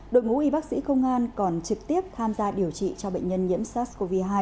đội ngũ y bác sĩ công an còn trực tiếp tham gia điều trị cho bệnh nhân nhiễm sars cov hai